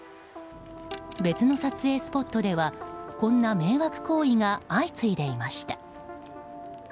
別の撮影スポットではこんな迷惑行為が相次いでいました。